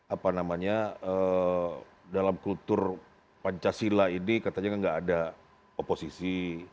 apa namanya dalam kultur pancasila ini katanya nggak ada oposisi